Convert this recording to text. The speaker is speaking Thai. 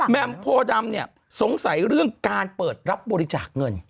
แหม่มโพดัมสงสัยเรื่องการเปิดรับบริจาคเงิน